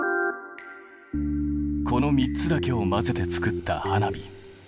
この３つだけを混ぜて作った花火。